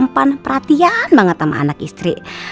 menyimpan perhatian banget sama anak istri